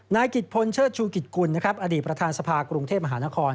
นายกิจพลเชิดชูกิจกุลนะครับอดีตประธานสภากรุงเทพมหานคร